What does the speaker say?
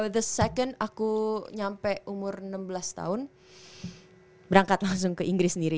the second aku sampai umur enam belas tahun berangkat langsung ke inggris sendiri